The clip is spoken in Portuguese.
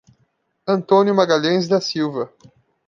Antônio Magalhaes da Silva